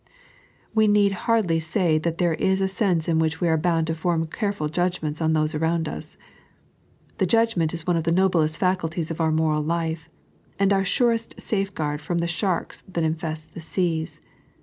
We need hardly say that there is a sense in which we are bound to form careful judgments on those around us. The judgment is one of the noblest facul ties of our moral life, and our surest safeguard from the sharks that infest tiie seas.